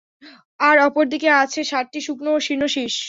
আর অপর দিকে আছে সাতটি শুকনো ও শীর্ণ শীষ।